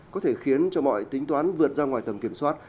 có thể khiến cho mọi tính toán vượt ra ngoài tầm kiểm soát